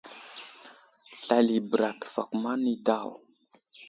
Slal i bəra ɗi təfakuma nay daw.